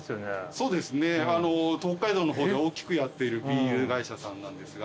そうですね北海道の方で大きくやっているビール会社さんなんですが。